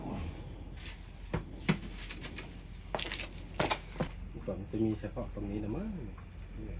อุปัติมีเฉพาะตรงนี้นะมั้ง